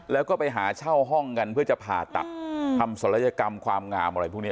แล้วก็ไปหาเช่าห้องกันเพื่อจะผ่าตัดทำศัลยกรรมความงามอะไรพวกนี้